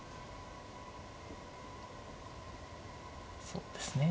そうですね